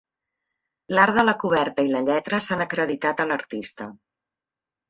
L'art de la coberta i la lletra s'han acreditat a l'artista.